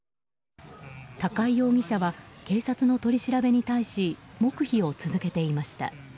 高井容疑者は警察の取り調べに対し黙秘を続けていました。